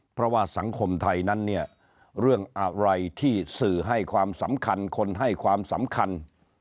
เพราะว่าสังคมไทยนั้นเนี่ยเรื่องอะไรที่สื่อให้ความสำคัญคนให้ความสำคัญ